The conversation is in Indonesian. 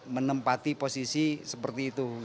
menempati posisi seperti itu